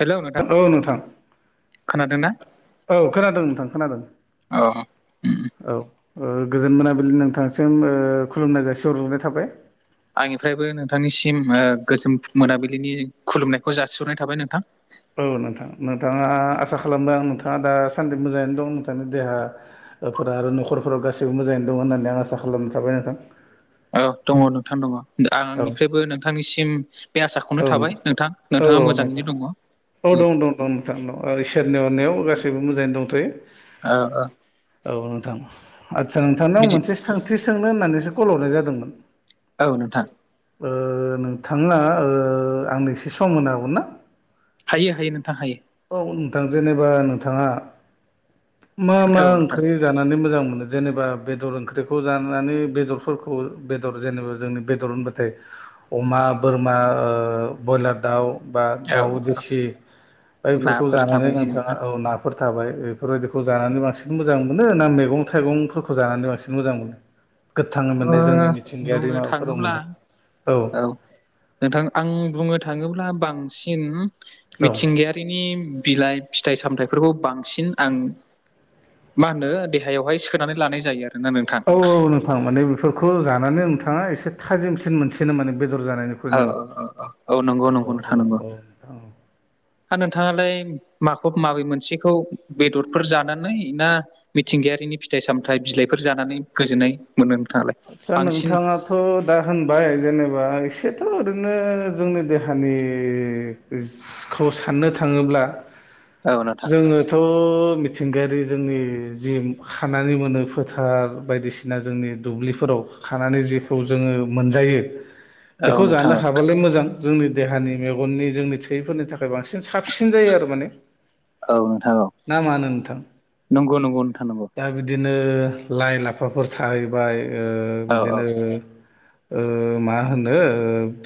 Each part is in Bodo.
हेलौ नोंथां औ नोंथां खोनादोंना औ खोनादों नोंथां खोनादों अ उम औ गोजोन मोनाबिलि नोंथांसिम खुलुमनाय जासियावरजनाय थाबाय आंनिफ्रायबो नोंथांनिसिम गोजोम मोनाबिलिनि खुलुमनायखौ जासिह'नाय थाबाय नोंथां औ नोंथां नोंथाङा आसा खालामदों नोंथाङा दा सान्दि मोजाङैनो दं नोंथांनि देहा फोर आरो न'खरफोराव गासिबो मोजाङैनो दं होननानै आं आसा खालाम थाबाय नोंथां औ दङ नोंथां दङ औ आंंनिफ्रायबो नोंथांनिसिम बे औ आसाखौनो थाबाय नोंथां नोंथाङा मोजाङैनो दङ ल' मथांल' इसोरनि अननायाव गासैबो मोजाङै दंथ'यो औ औ औ नोंथां आदसा नोंथांनाव बिदि मोनसे सोंथि सोंनो होननानैसो कल हरनाय जादोंमोन औ नोंथां नोंथां आंनो एसे सम होनो हागौन ना हायो हायो नोंथां हायो औ नोंथां जेनेबा नोंथाङा मा मा औ नोंथां ओंख्रि जानानै मोजां मोनो जेनेबा बेदर ओंख्रिखौ जानानै बेदरफोरखौ बेदर जेनेबा जोंनि बेदर होनबाथाय अमा बोरमा ब्रयलार दाउ बा औ दाउ देसि बायफोरखौ नाफोर जानानै थाबाय जेनेबा नोंथाङा औ ना फोर थाबाय बेफोरबायदिखौ जानानै बांसिन मोजां मोनो ना मैगं थाइगंफोरखौ जानानै बांसिन मोजां मोनो गोथाङ ओ मोननाय जोंनि मिथिंगायारि बुंनो माबाफोराव थाङोब्ला मोननाय औ नोंथां आं बुंनो थाङोब्ला बांसिन औ मिथिंगारि फनि बिलाइ फिथाइ सामथाइफोरखौ बांसिन आं मा होनो देहायावहाय सखोनानै लानाय जायो आर ना नोंथाङा औ औ नोंथां माने बेफोरखौ जानानै नोंथाङा एसे थाजिमसिन मोनसेनो माने बेदर जानायनि औ औ औ औ औ नंगौ नंगौथ नगौ औ नोंथां आरो नोंथाङालाय माखौब माबै मोनसेखौ बेदरफोर जानानै ना मिथिंगायारिनि फिथाइ सामथाइ बिलाइफोर जानानै गोजोनै आदसा नोंथाङा थ' दा होनबाय जेनेबा एसेथ' ओरैनो जोंनि देहानि खौ साननो थाङोब्ला औ नोंथां जोङो बेथ' मिथिंगायारि जोंनि जि खानानै मोनो फोथार बायदिसिना जोंनि दुब्लिफोराव खानानै जेखौ जोङो मोनजायो औ बेखौ नोंथां जानो औ हाबालाय मोजां जोंनि देहानि मेगननि जोंनि थोैयैफोरनि थाखाय बांसिन साबसिन जायो आरो माने औ नोंथाङौ ना मा होनो नोंथां नंगौ नंगौ नोंथां नंगौ दा बिदिनो लाइ लाफाफोर थाहैबाय औ औ बिदिनो मा होनो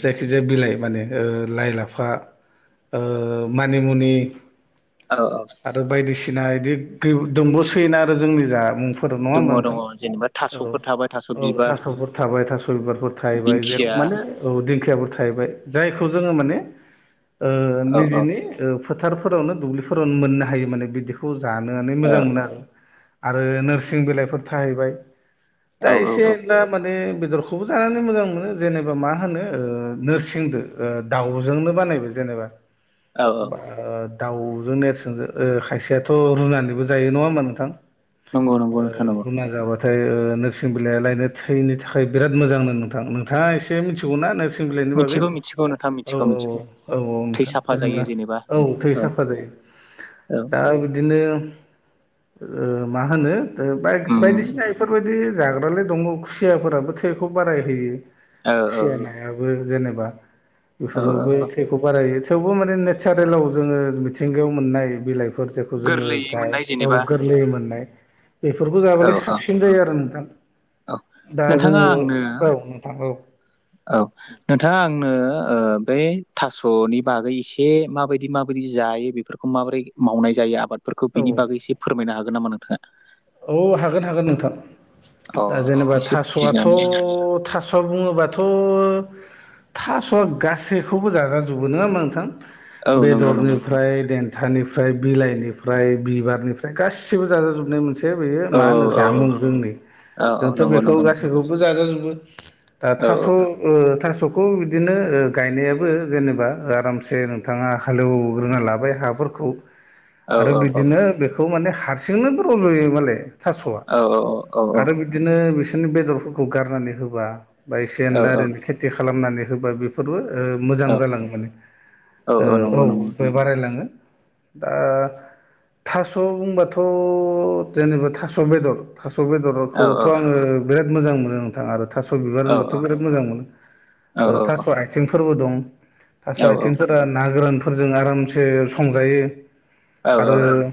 जायखिजाया बिलाइ माने लाइ लाफा मानिमुनि औ औ आरो बायदिसिना बिदि दोंबो सैयोना आरो जोंनि जा मुं दङ दङ जेनेबा औ थास'फोर थाबाय थास' औ बिबार थास'फोर थाबाय थास' बिबारफोर थाहैबाय जे दिंखिया माने औ दिंखियाबो थाहैबाय जायखौ जोङो माने औ औ निजिनि फोथारफोरावनो दुब्लिफोरावनो मोननो हायो माने बिदिखौ जानोानो औ मोजां मोनो आरो आरो नोरसिं बिलाइफोर थाहैबाय दा औ एसे एनला माने बेदरखौबो जानानै मोजां मोनो जेनेबा मा होनो नोरसिंदो दाउजोंनो बानायबाय जेनेबा औ दाउजों नेरसोनजों खायसेयाथ' रुनानैबो जायो नङा होमबा नोंथां नंगौ नंगौ नोंथां नंगौ रुना जाबाथ नाथाय नोरसिं बिलाइया लायनो थायैनि थाखाय बिराद मोजांमोन नोंथां नोंथाङा एसे मिथिगौ ना सों बिलाइनि बागै मिथिगौ मिथिगौ नोंथां औ औ मिथिगौ औ मिथिगौ औ औ थै नोंथां साफा जायो जेनेबा औ थै साफा जायो औ दा बिदिनो मा होनो उम बायदिसिना बेफोरबायदि दि जाग्रालाय दङ खुसियाफोराबो थैखौ बाराय होयो औ खुसिया नायाबो जेनेबा औ बेफोरो औ औ खौ बारायो थेवबो माने नेचारेलाव जोङो मिथिंगायाव मोननाय बिलाइ फोर जेखौ जोङो गोरलैयै गाय मोननाय जेनेबा गोरलै मोननाय बेफोरखौ औ जायाबालाय औ साबसिन जायो आरो नोंथां औ दा नोंथाङा जोङो आंनो औ नोंथां औ औ नोंथाङा आंनो बै थास'नि बागै एसे माबायदि माबायदि जायो बेफोरखौ खौ माबोरै मावनाय जायो आबादफोरखौ औ बिनि बागै एसे फोरमायनो हागोन नामा नोंथाङा औ हागोन हागोन नोंथां अ दा जेनेबा एसे थास'आथ' बिनानै थास' थास' बुङोबाथ' थास'आ गासैखौबो जाजाजोबो नङा होमबा नोंथां औ नंगौ नंगौ नोंथां बेदरनिफ्राय देन निफ्राय बिलाइनिफ्राय बिबारनिफ्राय गासिबो जाजा जोबनाय मोनसे बेयो औ मा होनो औ औ जामुं जोंनि औ औ जोंथ' नंगौ बेखौ नंगौ नोंथां गासैखौबो जाजाजोबो दा औ थास' थास'खौ बिदिनो गायनायाबो जेनेबा आरामसे नोंथाङा हालेवग्रोना लाबाय हाफोरखौ औ आरो औ बिदिनो बेखौ माने हारसिंनोबो रज'यो मालाय थास'आ औ औ आरो बि बिदिनो बिसोरनि बेदरफोरखौ गारनानै होबा बा एसे एनला ओरैनो खेथि खालामनानै होबा बे बे फोरबो मोजां औ जालाङो माने औ बे बारायलाङो दा थास' बुंबाथ' जेनेबा थास' बेदर थास' औ बेदरखौथ' आङो बिराद मोजां मोनो नोंथां आरो थास' बिबार औ होनबाथ' बिराद मोजां मोनो औ थास' आथिंफोरबो दं थास' औ औ आथिंफोर ना गोरानफोरजों आरामसे संजायो औ औ आरो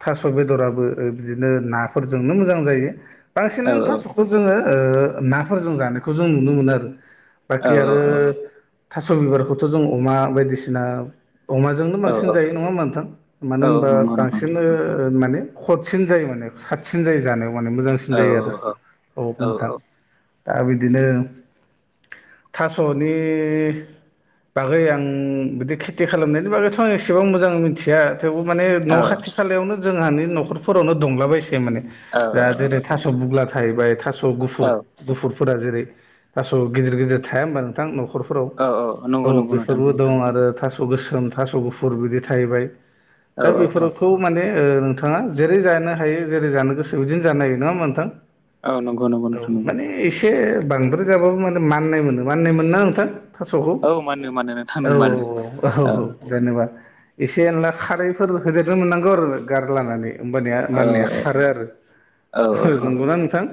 थास' बेदराबो बिदिनो नाफोरजोंनो मोजां जायो बांसिनानो थास'खौ जोङो नाफोरजों जानायखौ जों नुनो मोनो आरो बाखि आरो थास' बिबारखौथ' जों अमा बायदिसिना अमाजोंनो औ औ बांसिन जायो नङा होमब्ला नोथां औ मानो होनबा नंगौ नंगौ बांसिन नोंथां माने खथ साबसिन जायो माने साबसिन जायो जानायाव माने औ मोजांसिन जायो आरो औ नोंथां दा बिदिनो थास'नि बागै आं बिदि खेथि खालामनायनि बागैथ' आं एसेबां मोजां मिथिया थेवबो माने औ न' खाथि खालायावनो जोंहानि न'खरफोरावनो दंलाबायसै माने जा जेरै थास' बुग्ला थाहैबाय थास' गुफुर गुफुर फोरा जेरै थास' गिदिर गिदिर थाया होमबा नोंथां नखर फोराव औ औ नंगौ औ नंगौ नोंथां बेफोरबो नंगौ दं आरो थास' गोसोम थास' गुफुर बिदि थाहैबाय औ दा औ बेफोरखौ माने नोंथाङा जेरै जानो हायो जेरै जानो गोसो बिदिनो जानो हायो नङा होमबा नोंथां औ नंगौ नंगौ औ नोंथां नंगौ माने एसे बांद्राय जाबाबो माने माननाय मोनो माननाय मोनो ना नोंथां थास'खौ औ मानो मानो नोंथां औ मानो औ औ जेनेबा एसे एनला खारैफोर होदेरनो मोननांगौ आरो गारलानानै होमबानिया औ माननाया खारो औ आरो औ नोंगौना नोंथां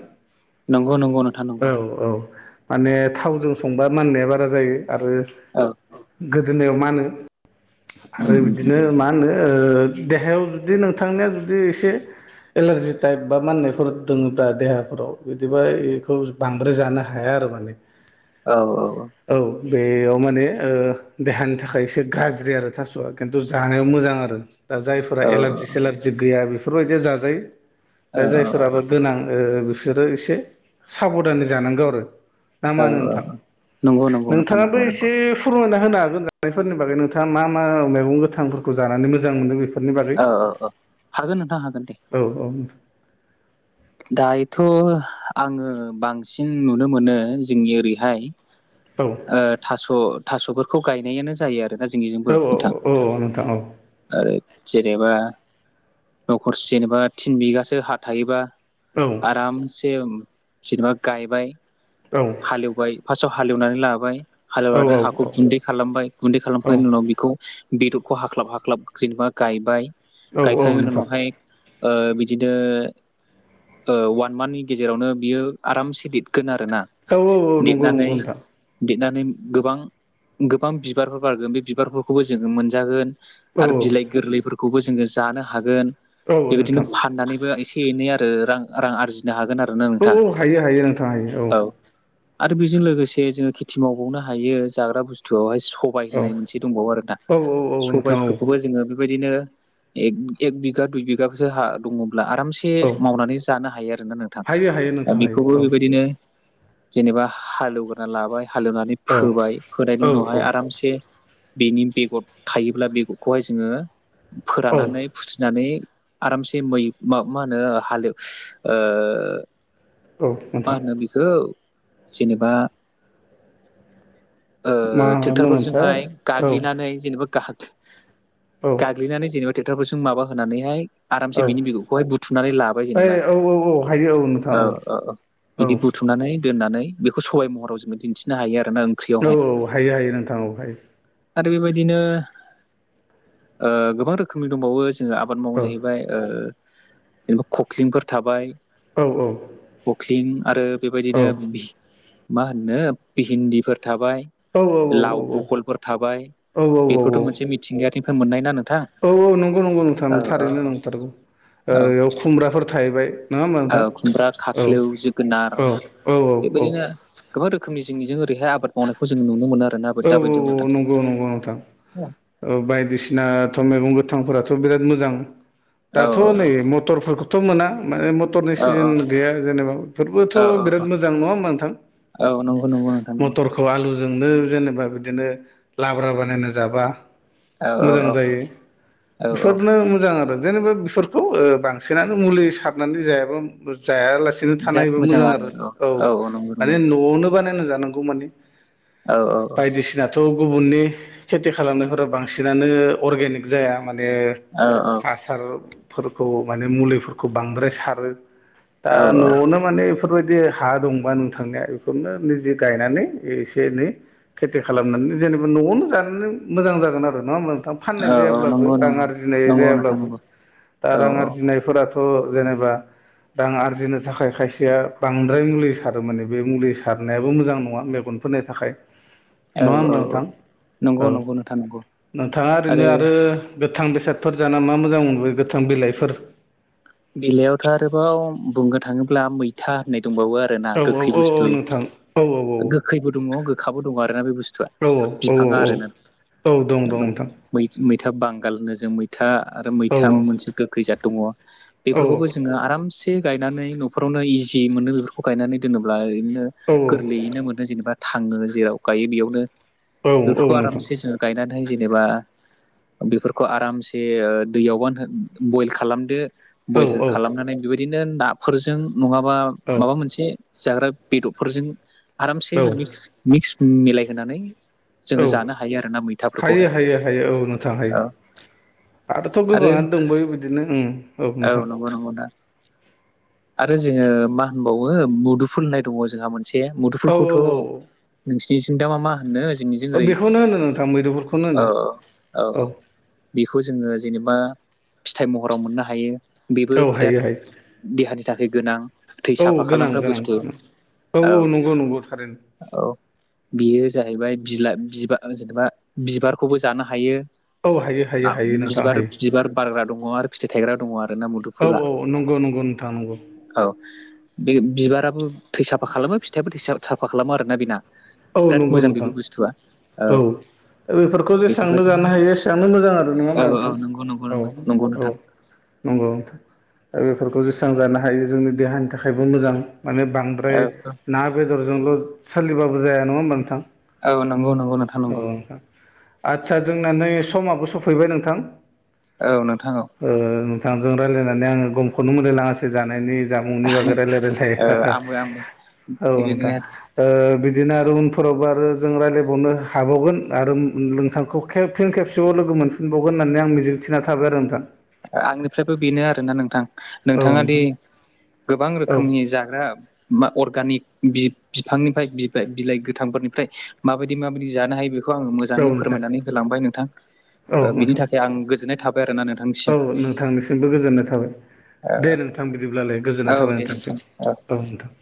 नंगौ नंगौ नोंथां औ नंगौ औ माने थावजों संबा माननाया बारा जायो आरो औ गोदोनायाव मानो आरो उम उम बिदिनो मा होनो देहायाव जुदि नोंथांनिया जुदि एसे एलारजि टाइप बा माननायफोर दङोबा देहाफोराव बिदिबा बेखौ बांद्राय जानो हाया आरो माने औ औ औ बेयाव माने देहानि थाखाय एसे गाज्रि आरो थासआ खिन्थु जानाया मोजां आरो दा जायफोरा औ एलारजि सेलारजि गैया बेफोरबायदिया जाजायो औ दा जायफोराबो गोनां बिसोरो एसे साबधानै जानांगौ आरो ना औ मा होनो औ नोंथां नंगौ नंगौ नोंथां नोंथाङाबो नंगौ नंगौ एसे फोरमायना होनो हागोन जानायफोरनि बागै नोंथाङा मा मा मैगं गोथांफोरखौ जानानै मोजां मोनो बे औ औ औ हागोन नोंथां हागोन दे औ औ नोंथां दायोथ आङो बांसिन नुनो मोनो जोंनि ओरैहाय औ ओ थास थासफोरखौ गायनायानो जायो आरोना औ जोंनिजोंबो नोंथां औ नोंथां औ आरो जेनेबा न'खरसे जेनेबा थिन बिगासो हा थायोबा औ आरामसे जेनेबा गायबाय औ हालेवबाय फार्स्टआव हालेवनानै लाबाय हालेवनानै हाखौ गुन्दै खालामबाय गुन्दै औ खालामखांनायनि उनाव बेखौ बेदरखौ हाख्लाब हाख्लाब जेनेबा गायबाय औ औ गायखांनायनि नोंथां उनावहाय ओ बिदिनो अवान मान्थनि गेजेरावनो बियो आरामसे देदगोन आरोना औ औ नंगौ नंगौ देदनानै नोंथां देदनानै गोबां गोबां बिबारफोर बारगोन बे बिबारफोरखौबो जोङो मोनजागोन औ आरो औ बिलाइ गोरलैफोरखौबो जोङो जानो हागोन औ बेबायदिनो नोंथां फाननानैबो एसे बेनो आरो रां रां आरजिनो हागोन आरोना औ नोंथां औ हायो हायो नोंथां हायो औ आरो बेजों लोगोसे जोङो खेथि मावबावनो हायो जाग्रा बुस्थुआवहाय सबाय औ होननाय मोनसे दंबावो आरो दा औ औ नोंथां सबायाइफोरखौबो औ जोङो बेबायदिनो एग एग बिगा हा दङब्ला आरामसे औ मावनानै जानो हायो आरोना नोंथां हायो हायो नोंथां हायो बेखौबो औ बेबायदिनो जेनेबा हालेवग्रा लाबाय हालेवनानै औ फोबाय फोनायनि औ उनावहाय आरामसे बेनि बेगर थायोब्ला बेगरखौहाय जोङो औ फोराननानै फुथिनानै आरामसे मै मा होनो हालेव ओ मा नोंथां होनो बेखौ जेनेबा ओ मा होनोमोनथाय ट्रेक्टरफोरजोंहाय औ गाग्लिनानै जेनेबा गा औ दाग्लिनानै जेनेबा ट्रेक्टरफोरजों माबा होनानैहाय आरामसे औ बिनि बिगरखौहाय बुथुमनानै लाबाय ओइ जेनेबा औ औ हायो नोंथां औ औ औ बिदि बुथुमनानै दोननानै बेखौ सबाइ महराव जोङो दिन्थिनो हायो आरो ना औ औ हायो हायो नोंथां औ हायो आरो बेबायदिनो गोबां रोखोमनि दंबावो जों आब बाद मावो औ जाहैबाय जेनबा खख्लिंफोर थाबाय औ औ कखलिं आरो बेबायदिनो मा होनो भि भिन्दिफोर थाबाय लाव बहलफोर थाबाय औ औ बेफोरथ मोनसे मिथिंगायानिफ्राय मोननायना नों औ औ नंगौ नंगौ नोंथां थारैनो नंथारगौ ओ औ इयाव खुमब्राफोर थाहैबाय नङा होमबा औ खुमब्रा नोंथां औ खाख्लौ जोगोनार औ औ औ औ बेबायदिनो गोबां रोखोमनि जोंनिजों ओरैहाय आबाद मावनायखौ जों नुनो मोनो आरो औ औ औ नंगौ नंगौ नोंथां औ बायदिसिनाथ मैगं गोथांफोराथ बिराद मोजां औ दाथ नै मथरफोरखौ थ मोना माने मटरनि सिजोन औ गैया जेनेबा बेफोरबोथ बिराद मोजां नङा होमा नोंथां अ नंगौ नंगौ नोंथां नंगौ मटरखौ आलुजोंनो जेनेबा बिदिनो लाब्रा बानायना जाबा औ मोजां औ औ जायो बेफोरनो मोजां आरो जेनेबा फोर बांसिनानो मुलि सारनानै जाय ज नो थानायबा मोजां आरो औ औ नंगौ नोंथां औ माने न'आवनो बानायना जानांगौ माने औ औ बायदिसिनाथ' गुबुननि खेथि खालामनायफोरा बांसिनानो अरगेनिक जाया माने औ औ हासारफोरखौ माने मुलिफोरखौ बांद्राय सारो दा औ न'आवनो थमाने बेफोरबायदि हा दंबा नों थांनाया बेफोरनोजे गायनानै एसे एनै खेथि खालामनानै जेनेबा न'आवनो जानानै मोजां जागोन आरो नङा होमबा नोंथां फाननाय औ औ जायाब्लाबो नंगौ रां नंगौ आरजिनाय नंगौ नोंथां जायाब्लाबो नंगौ दा औ रां औ आरजिनायफोराथ' थ' जेनेबा दाां आरजिनो थाखाय खायसेया बांद्राय मुलि सारोम माने बे मुलि सारनायाबो मोजां नङा मेगन होनो थाखाय औ नङा औ होनबा नोंथां नंगौ औ नंगौ नोंथां नंगौ नोंथाङा ओरैनो आरो गोथां बेसादफोर जाना मा मोजां मोन बे गोथां बिलाइफोर बेलायावथ' आरोबाव बुंनो थाङोब्ला मैथा होननाय दंबावो आरो आरोोना औ गोखै औ औ बुस्थु नोंथां औ औ गोखैबो दङ गोखाबो दङ आरोोना बे बुस्थुआ औ औ औ औ बिफाङा औ आरोना औ दं दं नोंथां मैथा बांगाल होनो जों मैथा आरो औ मैथा मोनसे गोखैजाथ दङ औ बेफोरखौबो जोङो आरामसे गायनानै न'फोररावनो इजि मोनो बेफोरखौ गायनानै दोनोब्ला ओरैनो औ गोरलैयैनो मोनो जेनेबा थाङो जेराव गायो बेयावनो औ औ बेफोरखौ नोंथां आरामसे जोङो गायनानैहाय जेनेबा बेफोरखौ आरामसे दैयावबानो बयल खालामदो औ बयल खालामनानै बेबायदिनो नाफोरजों नङाबा औ माबा मोनसे जाग्रा बेदरफोरजों आरामसे औ मिक्स मिलायहोनानै जोङो औ जानो हायो आरोना मैथाफोरखौहाय हायो हायो हायो औ नोंथां हायो औ आरोथ' आरो गोबाङानो दंबावो बिदिनो औ नंगौ नंगौ ना आरो जोङो मा होनबावो मुदुफुल होननाय दङ जोंहा मोनसे मोनसे औ मुदुलफोरखौथ' औ नोंसिनिथिं दा मा मा होननो ओ जोंनि औ रैमु बेखौनो होनो नोंथां मैदुफुलखौनो औ होनो औ बेखौ जोङो जेनेबा फिथाइ महराव मोननो हायो बेबो औ हायो हायो बिराद देहानि थाखाय गोनां थै औ साफा गोनां खालामग्रा गोनां बुस्थु औ औ नंगौ नंगौ थार औ बियो जाहैबाय बिला बिबार जेनेबा बिबारखौबो जानो हायो औ हायो हायो हायो नोंथां बिबार हायो बिबार बारग्रा दङ आरो फिथाइ थायग्रा दङ आरो ना औ मुदुफुला औ नंगौ नंगौ नोंथाङां नंगौ औ बे बिबाराबो थै साफा खालामो फिथाइाबो थै साफा खालामो आरोना बेना औ बिराद नंगौ मोजां नोंथां बेबो बुस्थुआ औ बेफोरखौ जेसेबांनो बेफोरबायदिनो जानो हायो एसेबांनो मोजां आरो नङा औ होमबा औ नोंथां नंगौ नंगौ औ नंगौ औ नोंथां नंगौथां दा बेफोरखौ जेस्रां जानो हायो जोंनि देहानि थाखायबो मोजां माने बांद्राय ओमफ्राय औ ना बेदरजोंल' सोलिबाबो जाया नङा होमबा नोंथां औ नंगौ नंगौ नोंथां नंगौ औ आदसा जोंना नै समाबो सफैबाय नोंथां औ नोंथां औ नोंथांजों रायजलायनानै आङो गमखौनो मोनलाय लाङासै जानायनि जामुंनि बागै र आंबो आंबो औ नोंथां बिदिनो बिदिनो आरो उनफोरावबो आरो जों रायज्लायबावनो हाबावगोन आरो नोंथांखौ खेब फिन खेबसेबाव लोगोमोन फिनबग होननानै आ मिजंथिना थाबाय आरो नोंथां आंनिफ्रायबो बेनो आरोना नोंथां औ नोंथाङा दि नोंथां गोबां औ रोखोमनि जाग्रा मा अर्गानिक बिफांनिफ्राय बिलाइ गोथांफोरनिफ्राय माबायदि माबायदि जानो हायो बेखौ आङो मोजाङै नोंथां फोरमायनानै होलांबाय नोंथां औ बिनि नोंथां थाखाय आं गोजोननाय थाबाय आरो ना औ नोंथांनिसिम नोंथांनिसिमबो गोजोननाय थाबाय दे नोंथां बिदिब्लालाय गोजोननाय औ थाबाय दे नोंथां नोंथांसिम औ नोंथां